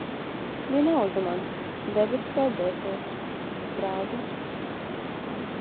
Vienalga man, debess skaidrosies, brāzmas.